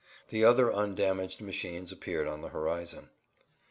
The other undamaged machines disappeared on the horizon.